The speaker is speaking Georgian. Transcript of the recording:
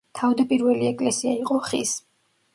თავდაპირველი ეკლესია იყო ხის.